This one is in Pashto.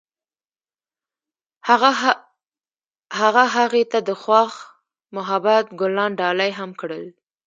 هغه هغې ته د خوښ محبت ګلان ډالۍ هم کړل.